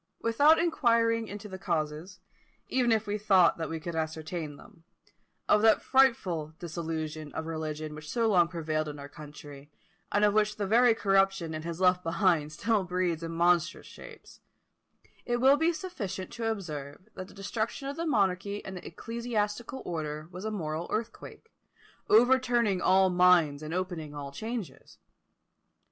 Without inquiring into the causes, even if we thought that we could ascertain them, of that frightful dissolution of religion which so long prevailed in our country, and of which the very corruption it has left behind still breeds in monstrous shapes, it will be sufficient to observe that the destruction of the monarchy and the ecclesiastical order was a moral earthquake, overturning all minds, and opening all changes.